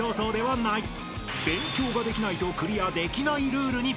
［勉強ができないとクリアできないルールに］